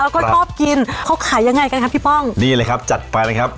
แล้วก็ชอบกินเขาขายยังไงกันครับพี่ป้องนี่เลยครับจัดไปเลยครับ